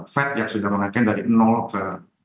fed yang sudah menaikkan dari ke